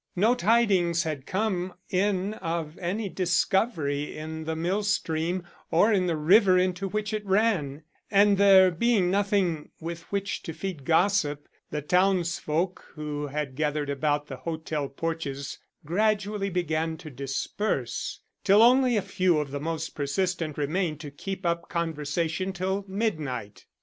No tidings had come in of any discovery in the mill stream or in the river into which it ran, and there being nothing with which to feed gossip, the townsfolk who had gathered about the hotel porches gradually began to disperse, till only a few of the most persistent remained to keep up conversation till midnight.